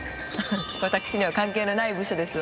私には関係のない部署ですわ。